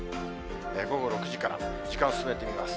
午後６時から、時間を進めてみます。